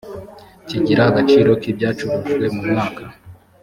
kigira agaciro k’ ibyacurujwe mu mwaka .